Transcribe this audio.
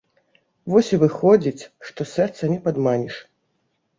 Вось і выходзіць, што сэрца не падманеш.